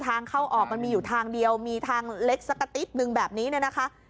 ทางเข้าออกมันมีอยู่ทางเดียวมีทางเล็กสักกระติ๊บนึงแบบนี้เนี่ยนะคะ